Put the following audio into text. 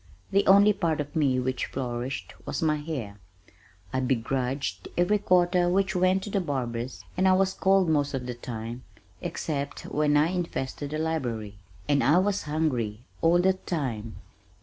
The only part of me which flourished was my hair. I begrudged every quarter which went to the barbers and I was cold most of the time (except when I infested the library) and I was hungry all the time.